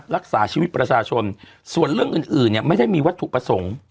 รักษาชีวิตประชาชนส่วนเรื่องอื่นเนี่ยไม่ได้มีวัตถุประสงค์